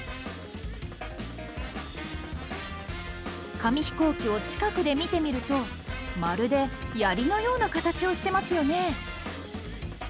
紙飛行機を近くで見てみるとまるでやりのような形をしてますよね。